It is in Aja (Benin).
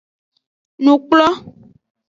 Nukplo.